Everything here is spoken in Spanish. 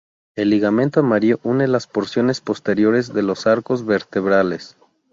El ligamento amarillo une las porciones posteriores de de los arcos vertebrales.